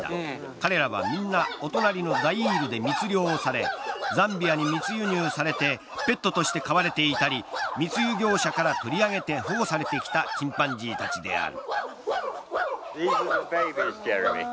彼らはみんなお隣のザイールで密猟されザンビアに密輸入されてペットとして飼われていたり密輸業者から取り上げて保護されてきたチンパンジーたちである。